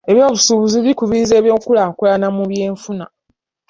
Eby'obusuubuzi bikubiriza enkulaakulana mu by'enfuna.